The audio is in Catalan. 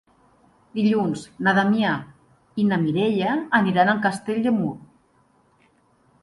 Dilluns na Damià i na Mireia aniran a Castell de Mur.